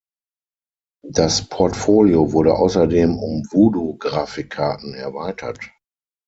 Das Portfolio wurde außerdem um Voodoo-Grafikkarten erweitert.